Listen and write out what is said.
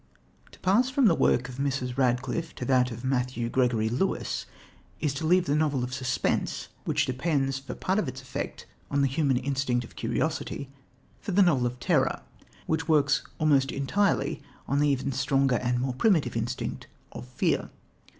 To pass from the work of Mrs. Radcliffe to that of Matthew Gregory Lewis is to leave "the novel of suspense," which depends for part of its effect on the human instinct of curiosity, for "the novel of terror," which works almost entirely on the even stronger and more primitive instinct of fear.